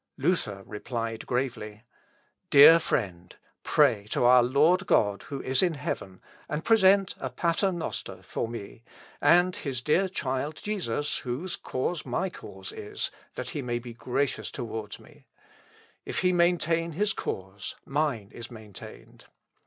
" Luther replied gravely, "Dear friend, pray to our Lord God, who is in heaven, and present a Pater noster for me, and his dear child, Jesus, whose cause my cause is, that he may be gracious toward me. If he maintain his cause, mine is maintained.